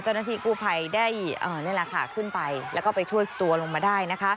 เจ้าหน้าที่กู้ภัยได้ขึ้นไปแล้วก็ไปช่วยตัวลงมาได้